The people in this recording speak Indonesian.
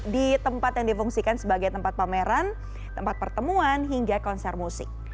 di tempat yang difungsikan sebagai tempat pameran tempat pertemuan hingga konser musik